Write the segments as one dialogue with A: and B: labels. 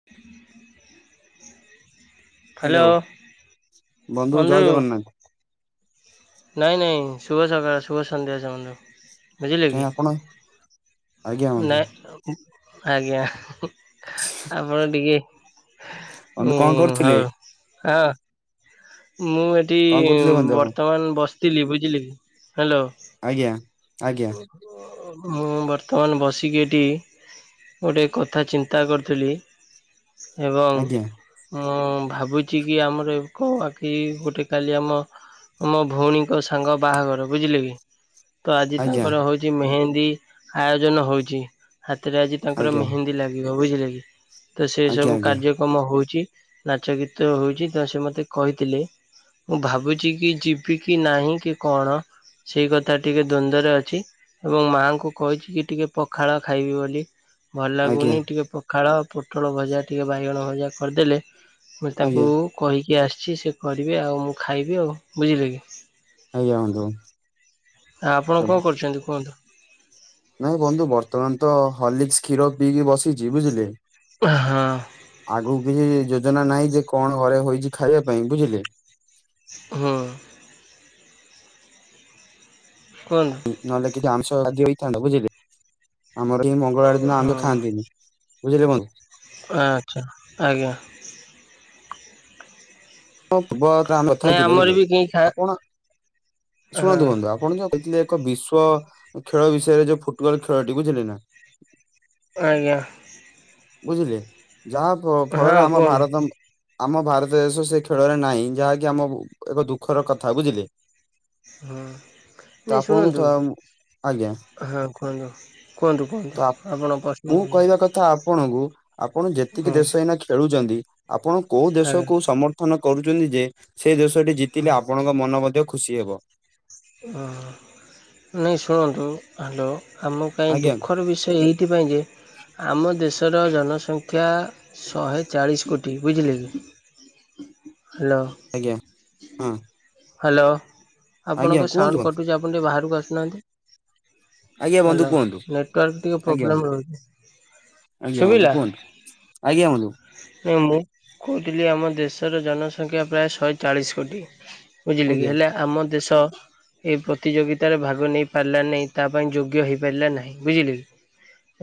A: [inaudible]
B: Hello ବନ୍ଧୁ ଜୟ ଜଗନ୍ନାଥ।
A: ନାଇଁ ନାଇଁ ଶୁଭ ସକାଳ ଶୁଭ ସନ୍ଧ୍ୟା ଜଣାନ୍ତୁ।
B: କାହିଁ ଆପଣ ଆଜ୍ଞା ବନ୍ଧୁ
A: ନାଇଁ ଆଜ୍ଞା ଆପଣ ଟିକେ
B: ବନ୍ଧୁ
A: ହୁଁ
B: କଣ କରୁଥିଲେ?
A: ହଉ ହ ମୁଁ ଏଠି
B: କଣ କରୁଥିଲେ ବନ୍ଧୁ ଆପଣ
A: ବର୍ତ୍ତମାନ ବସିଥିଲି ବୁଝିଲେ କି ହ୍ୟାଲୋ
B: ଆଜ୍ଞା। ଆଜ୍ଞା
A: ମୁଁ ବର୍ତ୍ତମାନ ବସିକି ଏଠି ଗୋଟିଏ କଥା ଚିନ୍ତା କରିଥିଲୁ ଏବଂ
B: ଆଜ୍ଞା
A: ଆଁ ଭାବୁଛି କି ଆମର ଏକ ଆକି ଗୋଟେ କାଲି ଆମ ମୋ ଭଉଣୀଙ୍କ ସାଙ୍ଗ ବାହାଘର ବୁଝିଲେ କି ତ
B: ଆଜ୍ଞା
A: ତାପରେ ହଉଛି ମେହେନ୍ଦୀ ଆୟୋଜନ ହଉଛି ହାତରେ ଆଜି ତାଙ୍କର
B: ଆଜ୍ଞା
A: ମେହେନ୍ଦୀ ଲାଗିବ ବୁଝିଲେ କି ତ ସେ
B: ଆଜ୍ଞା
A: ସବୁ
B: ଆଜ୍ଞା
A: କାର୍ଯ୍ୟ ମ ହଉଛି ନାଚ ଗୀତ ହଉଛି ତ ସେ ମତେ କହିଥିଲେ ମୁଁ ଭାବୁଛି କି ଯିବି କି ନାହିଁ କି କଣ ସେଇ କଥା ଟିକେ ଦ୍ଵନ୍ଦରେ ଅ ଛି ଏବଂ ମାଙ୍କୁ କହିଛି କି ଟିକେ ପଖାଳ ଖାଇବି ବୋଲି ଭଲ
B: ଆଜ୍ଞା
A: ଲାଗୁନି ଟିକେ ପଖାଳ ପୋଟଳ ଭଜା ଟିକିେ ବାଇଗଣ ଭଜା କରିଦେଲେ ମୁ
B: ଆଜ୍ଞା
A: ତାଙ୍କୁ କହିକି ଆସିଛି ସେ କରିବେ ଆଉ ମୁଁ ଖାଇବି ଆଉ ବୁଝିଲେ କି
B: ଆଜ୍ଞା ବନ୍ଧୁ
A: ଆପଣ କଣ କରୁଛନ୍ତି କୁହନ୍ତୁ
B: ନାଇଁ ବନ୍ଧୁ ବର୍ତ୍ତମାନ ତ ହଲିକସ କ୍ଷୀର ପିଇକି ବସିଛି ବୁଝିଲେ
A: ହଁ
B: ଆଗକୁ କିଛି ଯୋଜନା ନାହିଁ ଯେ କଣ ଘରେ ହେଇଛି ଖାଇବା ପାଇଁ ବୁଝିଲେ
A: ହଁ କଣ୍
B: ନହେଲେ କିଛି ଆମିଷଦି ହେଇଥାନ୍ତା ବୁଝିଲେ ଆମର କିଏ ମଙ୍ଗଳବାର ଦିନ
A: ହଁ
B: ଆମିଷ ଖାଆନ୍ତିନି ବୁଝିଲେ ବନ୍ଧୁ
A: ଆଚ୍ଛା ଆଜ୍ଞା
B: ଁ [unintelligible]
A: ନାଇଁ ଆମର
B: ଥାଥିଲେିଲ
A: ବି କେହି ଖା
B: ଆପଣ
A: ହଁ
B: ଶୁଣନ୍ତୁ ବନ୍ଧୁ ଆପଣ ଯ କହିଥିଲେ ଯ ବିଶ୍ଵ ଖେଳ ବିଷୟରେ ଯୋଉ ଫୁଟବଲ ଖେଳ ଟି ବୁଝିଲେ ନା
A: ଆଜ୍ଞା
B: ବୁଝିଲେ ଯାହା ଫଳରେ
A: ହଁ
B: ଆମ
A: କୁହନ୍ତୁ
B: ଭାରତ ଆମ ଭାରତ ଦେଶ ସେ ଖେଳରେ ନାହିଁ ଯାହାକି ଆମ ଏକ ଦୁଃଖର କଥା ବୁଝିଲେ
A: ହଁ
B: ତ
A: ନାଇଁ
B: ଆପଣଙ୍କୁ
A: ଶୁଣନ୍ତୁ
B: ତ ଆଉ ଆଜ୍ଞା
A: ହଁ କୁହନ୍ତୁ କୁହନ୍ତୁ କୁହନ୍ତୁ
B: ତ
A: ଆପଣ ପ୍ରଶ୍ନ
B: ମୁଁ
A: କରନ୍ତୁ
B: କହିବା କଥା ଆପଣଙ୍କୁ ଆପଣ ଯେତିକି
A: ହଁ
B: ଦେଶ ଏଇନା ଖେଳୁଛନ୍ତି ଆପଣ କୋଉ
A: ଆଜ୍ଞା
B: ଦେଶକୁୁ ସମର୍ଥନ କରୁଛନ୍ତି ଯେ ସେ ଦେଶଟି ଜିତିଲେ ଆପଣଙ୍କ ମନ ମଧ୍ୟ ଖୁସି ହେବ
A: ହ ନାଇ ଶୁଣନ୍ତୁ ହାଲ ଆମ ପାଇଁ
B: ଆଜ୍ଞା
A: ଦୁଃଖର ବିଷୟ ଏଇଥିପାଇଁ ଯେ ଆମ ଦେଶର ଜନସଂଖ୍ୟା ଶହେ ଚାଳିଶ କୋଟି ବୁଝିଲେ କି ହ୍ୟାଲୋ
B: ଆଜ୍ଞା ହଁ
A: ହ୍ୟାଲୋ
B: ଆଜ୍ଞା
A: ଆପଣଙ୍କ
B: କୁହନ୍ତୁ
A: ସାଉଣ୍ଡ
B: ବନ୍ଧୁ।
A: କଟୁଛି ଆପଣ ଟିକିେ ବାହାରକୁ ଆସୁନାହାନ୍ତି
B: ଆଜ୍ଞା ବନ୍ଧୁ
A: ହ୍ୟାଲୋ
B: କୁହନ୍ତୁ
A: ନେଟୱାର୍କ ଟିକେ
B: ଆଜ୍ଞା
A: ପ୍ରୋବ୍ଲେମ୍ ରହୁଛି
B: ଆଜ୍ଞା ବନ୍ଧୁ
A: ଶୁଭିଲା
B: କୁହନ୍ତୁ ଆଜ୍ଞା ବନ୍ଧୁ
A: ମୁଁ କହୁଥିଲି ଆମ ଦେଶର ଜନସଂଖ୍ୟା ପ୍ରାୟ ଶହେ ଚାଳିଶ କୋଟି ବୁଝିଲେ କି
B: ଆଜ୍ଞା
A: ହେଲେ ଆମ ଦେଶ ଏ ପ୍ରତିଯୋଗିତାରେ ଭାଗ ନେଇ ପାରିଲା ନାହିଁ ତା ପାଇଁ ଯୋଗ୍ୟ ହେଇପାରିଲା ନାହିଁ ବୁଝିଲେ କି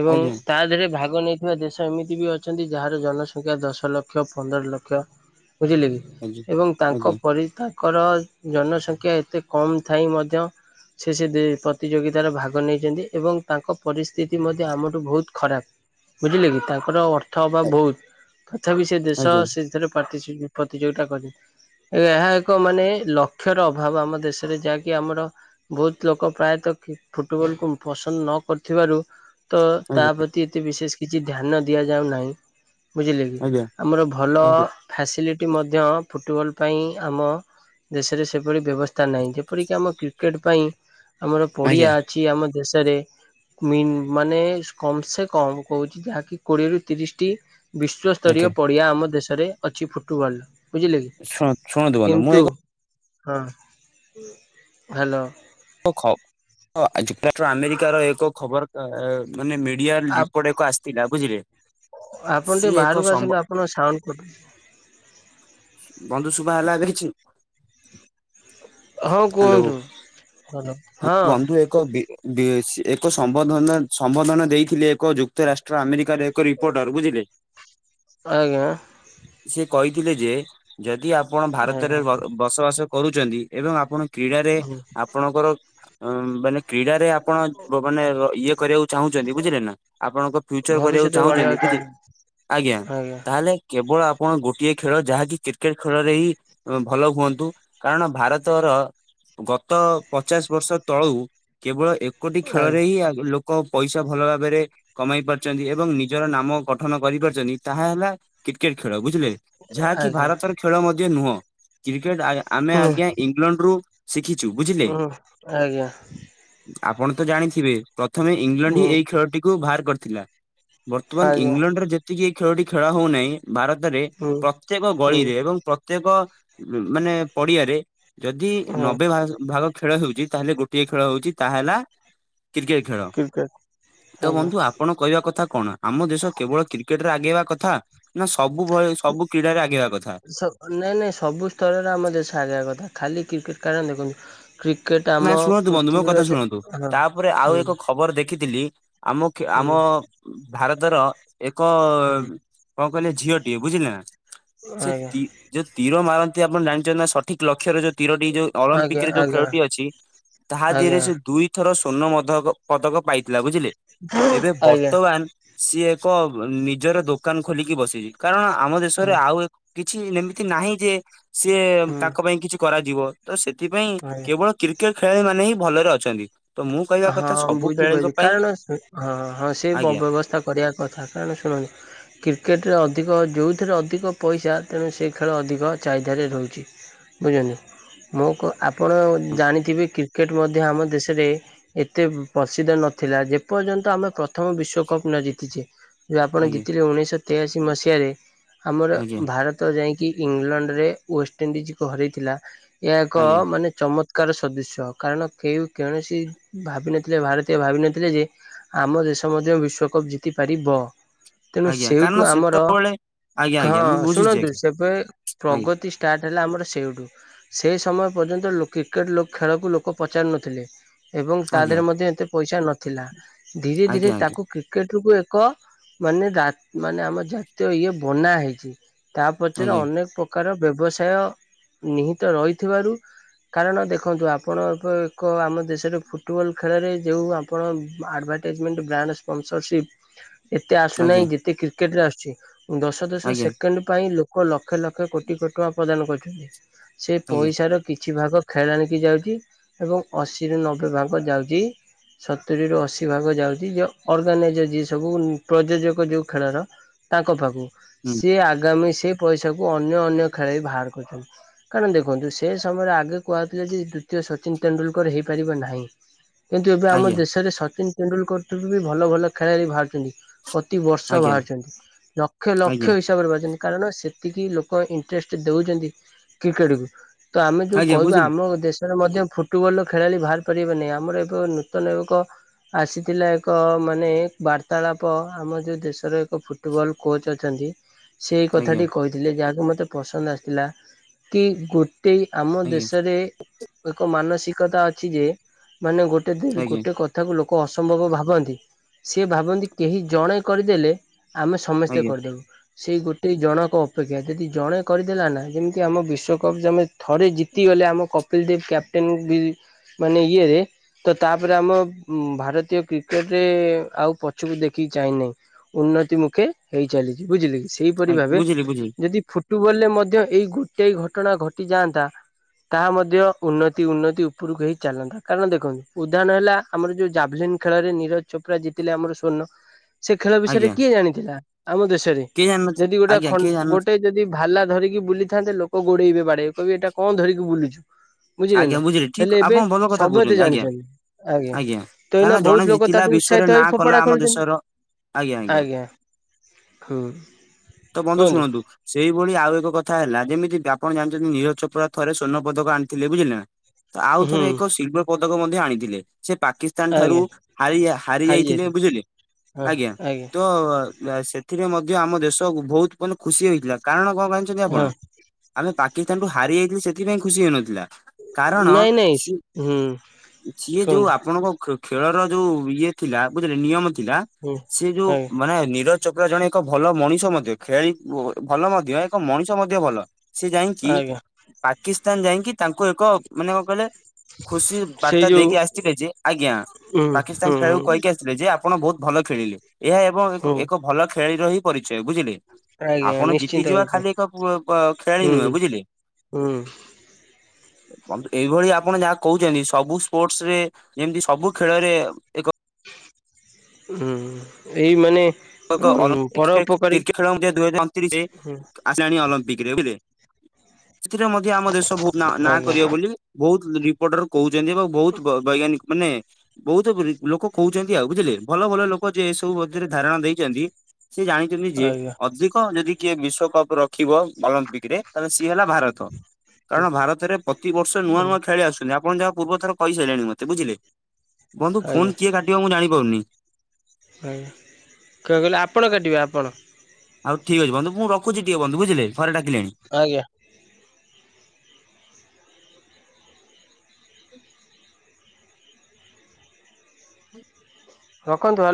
A: ଏବଂ
B: ଆଜ୍ଞା
A: ତା ଦେହରେ ଭାଗ ନେଇଥିବା ଦେଶ ଏମିତି ବି ଅଛନ୍ତି ଯାହା ଜନସଂଖ୍ୟା ଦଶ ଲକ୍ଷ ପନ୍ଦର ଲକ୍ଷ ବୁଝିଲେ କି
B: ଆଜ୍ଞା
A: ଏବଂ ତାଙ୍କ
B: ଆଜ୍ଞା
A: ପରି ଙ୍କର ଜନସଂଖ୍ୟା ଏତେ କମ୍ ଥାଇ ମଧ୍ୟ ସେ ସେ ପ୍ରତିଯୋଗିତାରେ ଭାଗ ନେଇଛନ୍ତି ଏବଂ ତାଙ୍କ ପରିସ୍ଥିତି ମଧ୍ୟ ଆମଠୁ ବହୁତ ଖରାପ। ବୁଝିଲେ କି ତାଙ୍କର ଅର୍ଥ
B: ଆ-
A: ଅଭାବ ବହୁତ ତଥାପି ସେ ଦେଶ
B: ଆଜ୍ଞା
A: ସେଥି ପ୍ରତିସୁଧି ପ୍ରତିଯୋଗିତା କରି ଏହା ଏକ ମାନେ ଲକ୍ଷ୍ୟର ଅଭାବ ଆମ ଦେଶରେ ଯାହାକି ଆମର ବହୁତ ଲୋକ ପ୍ରାୟତଃ କି ଫୁଟବଲ କୁ ପସନ୍ଦ ନ କରିଥିବାରୁ ତ
B: ଆଜ୍ଞା
A: ତାପ୍ରତି ଏତେ ବିଶେଷ କିଛି ଧ୍ୟାନ ଦିଆଯାଉନାହିଁ। ବୁଝିଲେ କି
B: ଆଜ୍ଞା
A: ଆମର ଭଲ
B: ଆଜ୍ଞା
A: ଫ୍ୟାସିଲିଟି ମଧ୍ୟ ଫୁଟବଲ୍ ପାଇଁ ଆମ ଦେଶରେ ସେପରି ବ୍ୟବସ୍ଥା ନାହିଁ ଯେପରିକି ଆମ କ୍ରିକେଟ ପାଇଁ ଆମର
B: ଆଜ୍ଞା
A: ପଡ଼ିଆ ଅଛି ଆମ ଦେଶରେ। ମୀନ ମାନେ କମ ସେ କମ କହୁଛି ଯାହାକି କୋଡିଏରୁ ତିରିଶ ଟି ବିଶ୍ୱସ୍ତରୀୟ
B: ଆଜ୍ଞା
A: ପଡିଆ ଆମ ଦେଶରେ ଅଛି ଫୁଟବଲ ବୁଝିଲେ କି
B: ଶୁଣ ଶୁଣନ୍ତୁ ବନ୍ଧୁ ମୁଁ
A: କିନ୍ତୁ
B: ଏକ
A: ହଁ ହେଲୋ
B: ହ ଆଜି ଆମେରିକାର ଏକ ଖବର ମାନେ ମିଡିଆ ରିପୋର୍ଟ ଏକ ଆସିଥିଲା ବୁଝିଲେ।
A: ଆପଣ ଟିକେ
B: ସିଏ ଏକ
A: ବାହାରକୁ
B: ସମ୍ବ
A: ଆସନ୍ତୁ ଆପଣଙ୍କ ସାଉଣ୍ଡ କ
B: ବନ୍ଧୁ ଶୁଭା ହେଲା କିଛି?
A: ହଁ
B: ହ୍ୟାଲୋ
A: କୁହନ୍ତୁ ହଲୋ ହଁ
B: ବନ୍ଧୁ ଏକ ବି ବିଏ ସି ଏକ ସମ୍ବଧ ସମ୍ବୋଧନ ଦେଇଥିଲେ ଏକ ଯୁକ୍ତ ରାଷ୍ଟ୍ର ଆମେରିକାର ଏକ ରିପୋର୍ଟର ବୁଝିଲେ
A: ଆଜ୍ଞ।
B: ସେ କହିଥିଲେ ଯେ ଯଦି ଆପଣ ଭାରତରେ
A: ଆଜ୍ଞା
B: ବସ ବସ ବାସ କରୁଛନ୍ତି ଏବଂ ଆପଣ କ୍ରୀଡ଼ାରେ ଆପଣଙ୍କର ମାନେ କ୍ରୀଡ଼ାରେ ଆପଣ ମାନେ ଇଏ କରିବାକୁ ଚାହୁଁଛନ୍ତି ବୁଝିଲେ ନା ଆପଣଙ୍କ ଫ୍ୟୁଚର
A: ଭବିଷ୍ୟତ
B: କରିବାକୁ
A: ବଢ଼ିବାକୁ
B: ଚାହୁଁଛନ୍ତି ବୁଝି
A: ଚାହୁଁଛି
B: ଆଜ୍ଞା ତାହେଲେ କେବଳ ଆପଣ ଗୋଟିଏ ଖେଳ ଯାହାକି କ୍ରିକେଟ ଖେଳରେ ହିଁ ଭଲ ହୁଅନ୍ତୁ କାରଣ ଭାରତର ଗତ ପଚାଶ ବର୍ଷ ତଳୁ କେବଳ ଏକଟି ଖେଳରେ
A: ଆଜ୍ଞା
B: ହିଁ ଲୋକ ଲୋକ ପଇସା ଭଲ ଭାବରେ କମାଇ ପାରୁଛନ୍ତି ଏବଂ ନିଜର ନାମ ଗଠନ କରିପାରୁଛନ୍ତି ତାହା ହେଲା କ୍ରିକେଟ ଖେଳ ବୁଝିଲେ ଯାହାକି
A: ଆଜ୍ଞା
B: ଭାରତର ଖେଳ ମଧ୍ୟ ନୁହଁ। କ୍ରିକେଟ ଆମେ
A: ହୁଁ
B: ଆଜ୍ଞା ଇଂଲଣ୍ଡ ରୁ ଶିଖିଛୁ ବୁଝିଲେ?
A: ହୁଁ ଆଜ୍ଞା।
B: ଆପଣ ତ ଜାଣିଥିବେ ପ୍ରଥମେ ଇଂଲଣ୍ଡ ହିଁ
A: ହୁଁ
B: ଏହି ଖେଳଟିକୁ ବାହାର କରିଥିଲା। ବର୍ତ୍ତମାନ
A: ଆଜ୍ଞା
B: ଇଂଲଣ୍ଡରେ ଯେତିକି ଏଇ ଖେଳଟି ଖେଳା ହଉନାହିଁ ଭାରତରେ
A: ହୁଁ
B: ପ୍ରତ୍ୟେକ
A: ହୁଁ
B: ଗଳିରେ ଏବଂ ପ୍ରତ୍ୟେକ ମାନେ ପଡିଆରେ ଯଦି
A: ହୁଁ
B: ନବେ ଭ ଭାଗ ଖେଳ ହେଉଛି ତାହେଲେ ଗୋଟିଏ ଖେଳ ହଉଛି ତାହାହେଲା କ୍ରିକେଟ ଖେଳ
A: କ୍ରିକେଟ
B: ତ
A: ଆଜ୍ଞା
B: ବନ୍ଧୁ ଆପଣ କହିବା କଥା କଣ ଆମ ଦେଶ କେବଳ କ୍ରିକେଟରେ ଆଗେଇବା କଥା ନା ସବୁ ଭଳି ସବୁ କ୍ରୀଡାରେ ଆଗେଇିବା କଥା?
A: ନାଇଁ ନାଇଁ ସବୁ ସ୍ତରରେ ଆମ ଦେଶ ଆଗା କଥା ଖାଲି କ୍ରିକେଟ କାରଣ ଦେଖନ୍ତୁ କ୍ରିକେଟା
B: ନା ଶୁଣନ୍ତୁ ବନ୍ଧୁ ମୋ କଥା ଶୁଣନ୍ତୁ ତାପରେ ଆଉ
A: ହୁଁ
B: ଏକ ଖବର ଦେଖିଥିଲି ଆମ ଖେ
A: ହୁଁ
B: ଆମ ଭାରତର ଏକ
A: ହୁଁ
B: କଣ କହିଲେ ଝିଅଟିଏ ବୁଝିଲେ ନା ସେ
A: ଆଜ୍ଞା
B: ଯୋଉ ତୀର ମାରନ୍ତି ଆପଣ ଜାଣିଛନ୍ତି ନା ସ ଠିକ ଲକ୍ଷ୍ୟର ଯୋଉ ତିରଟି ଯୋଉ ଅଲମ୍ପିକ
A: ଆଜ୍ଞା
B: ରେ ଯୋଉ
A: ଆଜ୍ଞା
B: ଖେଳଟି ଅଛି ତାହା ଦେହରେ
A: ଆଜ୍ଞା
B: ସେ ଦୁଇଥର ସ୍ଵର୍ଣ୍ଣ ମଦକ ପଦକ ପାଇଥିଲା ବୁଝିଲେ ଏବେ
A: ଆଜ୍ଞା
B: ବର୍ତ୍ତମାନ ସିଏ ଏକ ନିଜର ଦୋକାନ ଖୋଲିକି ବସିଛି କାରଣ ଆମ
A: ହୁଁ
B: ଦେଶରେ ଆଉ ଏକ କିଛି ଏମିତି ନାହିଁ ଯେ ସିଏ
A: ହୁଁ
B: ତାଙ୍କ ପାଇଁ କିଛି କରାଯିବ। ତ ସେଥିପାଇଁ
A: ଆଜ୍ଞା
B: କେବଳ କ୍ରିକେଟ ଖେଳାଳି ମାନେ ହିଁ ଭଲରେ ଅଛନ୍ତି। ତ ମୁଁ କହିବା କଥା
A: ହଁ
B: ସବୁ ଖେଳାଳିଙ୍କ
A: ବୁଝିପାରୁଛି।
B: ପାଇଁ
A: କାରଣ ହଁ ହଁ ସେ ବ
B: ଆଜ୍ଞା
A: ବ୍ୟବସ୍ଥା କରିବା କଥା। କାରଣ ଶୁଣନ୍ତୁ କ୍ରିକେଟରେ ଅଧିକ ଯୋଉଥିରେ ଅଧିକ ପଇସା ତେଣୁ ସେଇ ଖେଳ ଅଧିକ ଚାହିଦାରେ ରହୁଛି। ବୁଝୁଚନ୍ତି ମୁଁ କ ଆପଣ ଜାଣିଥିବେ କ୍ରିକେଟ ମଧ୍ୟ ଆମ ଦେଶରେ ଏତେ ପ୍ରସିଦ୍ଧ ନଥିଲା। ଯେପର୍ଯ୍ୟନ୍ତ ଆମେ ପ୍ରଥମ ବିଶ୍ଵକପ୍ ନ ଜିତିଛେ। ଯୋଉ ଆପଣ
B: ଆଜ୍ଞା
A: ଜିତିଲେ ଉଣେଇଶହ ତେୟାଅଶୀ ମସିହାରେ। ଆମର
B: ଆଜ୍ଞା
A: ଭାରତ ତ ଯାଇକି ଇଂଲଣ୍ଡ ରେ ୱେଷ୍ଟଇଣ୍ଡିଜକୁ ହରେଇଥିଲା। ଏହା ଏକ
B: ଆଜ୍ଞା
A: ମାନେ ଚମତ୍ କାର ସଦୃସ୍ୟ କାରଣ କେଉ କୌଣସି ଭାବିନଥିଲେ ଭାରତୀୟ ଭାବିନଥିଲେ ଯେ ଆମ ଦେଶ ମଧ୍ୟ ବିଶ୍ୱକପ୍ ଜିତିପାରିବ। ତେଣୁ
B: ଆଜ୍ଞା କାରଣ
A: ସେଇଠୁ ଆମର
B: ସେତେବେଳେ ଆଜ୍ଞା
A: ହଁ
B: ଆଜ୍ଞା ମୁଁ ବୁଝିଛି
A: ଶୁଣନ୍ତୁ
B: ଆଜ୍ଞା
A: ସେବେ
B: ଆଜ୍ଞା
A: ପ୍ରଗତି ଷ୍ଟାର୍ଟ ହେଲା ଆମର ସେଇଠୁ। ସେ ସମୟ ପର୍ଯ୍ୟନ୍ତ ଲୋକେ କ୍ରିକେଟ୍ ଲୋ ଖେଳକୁ ଲୋକ ପଚାରୁନଥିଲେ। ଏବଂ ତା
B: ଆଜ୍ଞା
A: ଦେହରେ ମଧ୍ୟ ଏତେ ପଇସା ନଥିଲା। ଧୀରେ ଧୀରେ
B: ଆଜ୍ଞା
A: ତାକୁ କ୍ରି କ୍ରିକେଟକୁ ଏକ ମାନେ ରା ମାନେ ଆମ ଜାତୀୟ ଇଏ ବନା ହେଇଛି। ତା ପଛରେ
B: ଆଜ୍ଞା
A: ଅନେକ ପ୍ରକାର ବ୍ୟବସାୟ ନିହିତ ରହିଥିବାରୁ କାରଣ ଦେଖନ୍ତୁ ଆପଣ ଏବେ ଏକ ଆମ ଦେଶରେ ଫୁଟବଲ୍ ଖେଳରେ ଯେଉଁ ଆପଣ ଆଡ଼ଭର୍ଟାଇଜମେଣ୍ଟ, ବ୍ରାଣ୍ଡ ସ୍ପନ୍ସରସିପ୍ ଏତେ
B: ଆଜ୍ଞା
A: ଆସୁନାହିଁ ଯେତେ କ୍ରିକେଟ ରେ ଆସୁଛି। ଦଶ ଦଶ
B: ଆଜ୍ଞା
A: ସେକେଣ୍ଡ ପାଇଁ ଲୋ ଲୋକ ଲକ୍ଷେ ଲକ୍ଷେ କୋଟି କୋଟି ଟଙ୍କା ପ୍ରଦାନ କରୁଛନ୍ତି। ସେ
B: ଆଜ୍ଞା ଆଜ୍ଞା
A: ପଇସାର କିଛି ଭାଗ ଖେଳାଳି କି ଯାଉଛି ଏବଂ ଅଶୀରୁ ନବେ ଭାଗ ଯାଉଛି ସତୁରିରୁ ଅଶୀ ଭାଗ ଯାଉଛି ଯେ ଅର୍ଗାନାଇଜର୍ ଯିଏ ସବୁ ପ୍ରଯୋଜକ ଯେଉଁ ଖେଳର। ତାଙ୍କ ପାଖକୁ।
B: ହୁଁ
A: ସିଏ ଆଗାମୀ ସେ ପଇସାକୁ ଅନ୍ୟ ଅନ୍ୟ ଖେଳାଳି ବାହାର କରୁଛନ୍ତି। କାରଣ ଦେଖନ୍ତୁ ସେ ସମୟରେ ଆଗେ କୁହାଥିଲା ଯେ ଦ୍ଵିତୀୟ ସଚିନ ତେନ୍ଦୁଲକର ହେଇପାରିବ ନା? କିନ୍ତୁ ଏବେ ଆମ
B: ଆଜ୍ଞା
A: ଦେଶରେ ସଚିନ ତେନ୍ଦୁଲକର ଠୁ ବି ଭଲ ଭଲ ଖେଳାଳି ବାହାରୁଛନ୍ତି। ପ୍ରତି ବର୍ଷ
B: ଆଜ୍ଞା
A: ବାହାରୁଛନ୍ତି। ଲକ୍ଷ
B: ଆଜ୍ଞା
A: ଲକ୍ଷ ଇ ବାହାରୁଛନ୍ତି କାରଣ ସେତିକି ଲୋକ ଇଣ୍ଟ୍ରେଷ୍ଟ ଦେଉଛନ୍ତି କ୍ରିକେଟକୁୁ। ତ ଆମେ ଯୋଉ
B: ଆଜ୍ଞା
A: କହିବୁ
B: ବୁଝିଲି
A: ଆମ ଦେଶରେ ମଧ୍ୟ ଫୁଟବଲ ଖେଳାଳି ବାହାରି ପରିବନି ଆମର ଏବେ ନୂତନ ଏକ ଆସିଥିଲା ଏକ ମାନେ ବାର୍ତ୍ତାଳାପ ଆମ ଯୋଉ ଦେଶରେ ଏକ ଫୁଟବଲ୍ କୋଚ୍ ଅଛନ୍ତି। ସେ ଏ
B: ଆଜ୍ଞା
A: କଥାଟି କହିଥିଲେ ଯାହାକି ମୋତେ ପସନ୍ଦ ଆସିଥିଲା ତି ଗୋ ଏଇ ଆମ
B: ଆଜ୍ଞା
A: ଦେଶରେ ଏକ ମାନସିକତା ଅଛି ଯେ ମାନେ ଗୋଟେ ଦି
B: ଆଜ୍ଞା
A: ଗୋଟେ କ ତାକୁ ଲୋକ ଅସମ୍ଭବ ଭାବନ୍ତି। ସେ ଭାବନ୍ତି କେହି ଜଣେ କରି ଦେଲେ ଆମେ ସ ସମସ୍ତେ
B: ଆଜ୍ଞା
A: କରିଦେବୁ। ସେଇ ଗୋଟେ ଜଣକ ଅପେକ୍ଷା। ଯଦି ଜଣେ କରିଦେଲା ନା ଯେମିତି ଆମ ବିଶ୍ଵକପ୍ ଯାମେ ଥରେ ଜିତିଗଲେ ଆମ କପିଲ ଦେବ କ୍ୟାପ୍ଟେନ୍ [unintelligible] ମାନେ ଇଏରେ ତ ତାପରେ ଆମ ଉଁ ଭାରତୀୟ କ୍ରିକେଟ ରେ ଆଉ ପଛକୁ ଦେଖିକି ଚାହିଁ ନାହିଁ। ଉନ୍ନତି ମୁଖେ ହେଇ ଚାଲିଛି ବୁଝିଲେ କି। ସେଇପରି
B: ଆଜ୍ଞା,
A: ଭାବେ
B: ବୁଝିଲି ବୁଝିଲି
A: ଯଦି ଫୁ ଫୁଟୁବଲ ରେ ମଧ୍ୟ ଏଇ ଗୋଟେ ଘଟଣା ଘଟିଯାଆନ୍ତା ତାହା ମଧ୍ୟ ଉନ୍ନତି ଉନ୍ନତି ଉପରକୁ ହେଇ ଚାଲନ୍ତା କାରଣ ଦେଖନ୍ତୁ ଉଦାହରଣ ହେଲା ଆମର ଯୋଉ ଜାଭଲିନ୍ ଖେଳରେ ନିରଜ ଚୋପ୍ରା ଜିତିଲେ ଆମର ସ୍ଵର୍ଣ୍ଣ। ସେ ଖେଳ ବିଷୟରେ
B: ଆଜ୍ଞା
A: କିଏ ଜାଣିଥିଲା ଆମ ଦେଶରେ?
B: କିଏ ଜାଣିନଥିଲେ
A: ଯଦି ଗୋଟେ
B: ଆଜ୍ଞା
A: ଖନ୍
B: କିଏ ଜାଣିନ
A: ଗୋଟେ ଯଦି ଭାଲା ଧରିକି ବୁଲିଥାନ୍ତେ ଲୋକ ଗୋଡେଇବେ ବାଡେଇ କହିବେ ଏଇଟା କଣ ଧରିକି ବୁଲୁଚି।
B: ଆଜ୍ଞା ବୁଝିଲି ଠିକ ଆପଣ ଭଲ କଥା
A: ସମସ୍ତେ
B: କହୁଛନ୍ତି ଆଜ୍ଞା।
A: ଜାଣିଛନ୍ତି
B: ଆଜ୍ଞା
A: ତ ଏଇନା
B: କାରଣ
A: ବହୁତ
B: ଜଣେ
A: ଲୋକ
B: ଜିତିଲା
A: ତାଠୁ ଉତ୍ସାହିତ
B: ବିଶ୍ଵରେ
A: ହେଇ
B: ନାଁ
A: ଫୋପଡା
B: କଲା ଆମ
A: ଖେଳୁଛନ୍ତି
B: ଦେଶର ଆଜ୍ଞା, ଆଜ୍ଞା।
A: ହୁଁ,
B: ତ ବନ୍ଧୁ
A: କୁଅ?
B: ଶୁଣନ୍ତୁ ସେଇଭଳି ଆଉ ଏକ କଥା ହେଲା ଯେମିତି କି ଆପଣ ଯାଇଛନ୍ତି ନିର ଚପୋରା ଥରେ ସ୍ଵର୍ଣପଦକ ଆଣି ଥିଲେ ବୁଝିଲେ ନା ଆଉ
A: ହୁଁ
B: ଥରେ ଏକ ସ୍ଲିବେର ପଦକ ମଧ୍ୟ ଆଣିଥିଲେ। ସେ ପାକିସ୍ତାନ ଠାରୁ
A: ଆଜ୍ଞା
B: ହାରି ହା ହାରି ଯାଇଥିଲେ ବୁଝିଲେ ଆଜ୍ଞା ତ? ସେଥିରେ ମଧ୍ୟ ଆମ ଦେଶକୁ ବହୁତ ମାନେ ଖୁସି ହେଇଥିଲା। କାରଣ କଣ ଜାଣିଛନ୍ତି
A: ହଁ
B: ଆପଣ? ଆମେ ପାକିସ୍ତାନ ଠୁଁ ହାରି ଯାଇଥିଲେ ସେଥିପାଇଁ ଖୁସି ହେଇନଥିଲା।? କାରଣ
A: ନାଇଁ ନାଇଁ
B: ସି
A: ହୁଁ
B: ଯିଏ
A: କୁହନ୍ତୁ।
B: ଯୋଉ ଆପଣଙ୍କ ଖୁଁ ଖେଳର ଯୋଉ ଇଏ ଥିଲା ବୁଝିଲେ ନିୟମ ଥିଲା
A: ହୁଁ
B: ସେ ଯୋଉ
A: ଆଜ୍ଞା
B: ମାନେ ନିର ଚୋପରା ଜଣେ ଏକ ଭଲ ମଣିଷ ମଧ୍ୟ ଖେଳି ଭଲ ମଧ୍ୟ ଏକ ମଣିଷ ମଧ୍ୟ ଭଲ। ସେ ଯାଇକି
A: ଆଜ୍ଞା
B: ପାକିସ୍ତାନ ଯାଇକି ତାଙ୍କୁ ଏକ ମାନେ କଣ କହିଲେ? ଖୁସି
A: ସେଇ
B: ବାର୍ତ୍ତା
A: ଯୋଉ
B: ଦେଇକି ଆସିଥିଲେ ଯେ, ଆଜ୍ଞା।
A: ହୁଁ
B: ପାକିସ୍ତାନ
A: ହୁଁ
B: ଖେଳକୁ
A: ହୁଁ
B: କହିକି ଆସି ଯେ ଯେ ଆପଣ ବହୁତ ଭଲ ଖେଳିଲେ। ଏହା ଏବଂ
A: ହୁଁ
B: ଏକ ଭଲ ଖେଳାଳିର ହି ପରିଚୟ ବୁଝିଲେ।
A: ଆଜ୍ଞା
B: ଆପଣ
A: ନିଶ୍ଚିନ୍ତ
B: ଜିତିଯିବା
A: ରୂପେ
B: ଖାଲି ଏକ କ କୁ ଖେଳାଳି
A: ହୁଁ
B: ନୁହେଁ ବୁଝିଲେ।
A: ହୁଁ।
B: [unintelligible] ଏଇଭଳି ଆପଣ ଯାହା କହୁଛନ୍ତି ସବୁ ସ୍ପୋର୍ଟସ ରେ ଯେମିତି ସବୁ ଖେଳରେ ଏକ
A: ହୁଁ ଏଇ ମାନେ ଉଁ
B: [unintelligible]
A: ପରୋପକାରୀ
B: କ୍ରିକେଟ ଖେଳ ଦଇହଜାର ଅଣତିରିଶରେ
A: ହୁଁ
B: ଆସିଲାଣି ଅଲମ୍ପିକରେ ବୁଝିଲେ? ସେଥିରେ ମଧ୍ୟ ଆମ ଦେଶ ବହୁ ନାଁ
A: ଆଜ୍ଞା
B: କରିବ ବୋଲି ବହୁତ ରିପୋଟରୁ କହୁଛନ୍ତି। ଏବଂ ବହୁତ ବୈଜ୍ଞାନିକ ମାନେ ବହୁତ ଲୋକ କହୁଛନ୍ତି ଆଉ ବୁଝିଲେ? ଭଲ ଭଲ ଲୋକ ଯେ ସବୁ ମଧ୍ୟରେ ଧାରଣା ଦେଇଛନ୍ତି। ସିଏ ଜାଣିଛନ୍ତି ଯେ,
A: ଆଜ୍ଞା
B: ଅଧିକ ଯଦି କିଏ ବିଶ୍ଵକପ ରଖିବ ଅଲମ୍ପିକ ରେ ତାହେଲେ ସିଏ ହେଲା ଭାରତ। କାରଣ ଭାରତରେ ପ୍ରତିବର୍ଷ ନୂଆ ନୂଆ ଖେଳାଳି ଆସୁଛନ୍ତି। ଆପଣ ଯାହା ପୂର୍ବ ଥର କହିସାରିଲାଣି ମତେ ବୁଝିଲେ ବନ୍ଧୁ
A: ଆଜ୍ଞା
B: ଫୋନ୍
A: ଆଜ୍ଞା
B: କିଏ କାଟିବ ମୁଁ ଜାଣିପାରୁନି?
A: ଆଜ୍ଞା କଣ କହିଲେ? ଆପଣ କାଟିବେ ଆପଣ।
B: ଆଉ ଠିକ ଅଛି ବନ୍ଧୁ, ମୁଁ ରଖୁଚି ଟିକେ ବନ୍ଧୁ ବୁଝିଲେ ଘରେ ଡାକିଲେଣି।
A: ଆଜ୍ଞା। ରଖନ୍ତୁ ହେ